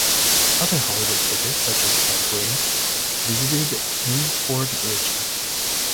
Other Hollywood figures such as Ed Wynn visited New Port Richey.